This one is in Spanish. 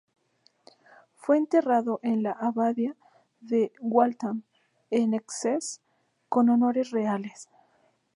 Fue enterrado en la abadía de Waltham, en Essex, con honores reales.